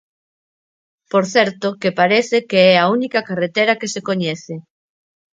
Por certo, que parece que é a única carretera que se coñece.